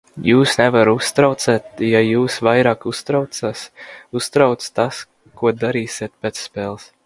Jūs nevarat uzvarēt, ja jūs vairāk uztrauc tas, ko darīsiet pēc spēles!